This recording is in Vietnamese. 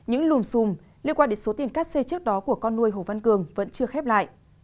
hồ văn cường liên quan đến số tiền cắt xe trước đó của con nuôi hồ văn cường vẫn chưa khép lại